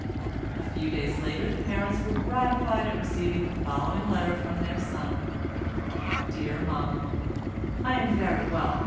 A few days later the parents were gratified at receiving the following letter from their son— "My Dear Mamma,—I am very well.